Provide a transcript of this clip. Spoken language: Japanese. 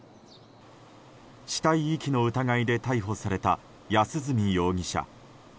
死体遺棄の疑いで逮捕された安栖容疑者。